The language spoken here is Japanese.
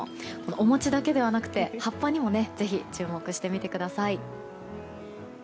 お餅だけではなくて葉っぱにもぜひ注目してみてください。